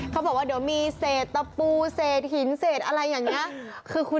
เขาบอกว่าเดี๋ยวมีเศษตะปูเศษหินเศษอะไรอย่างนี้